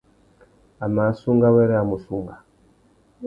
A mà assunga wêrê a mù sunga.